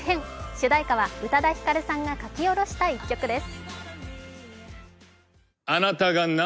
主題歌は宇多田ヒカルさんが書き下ろした一曲です。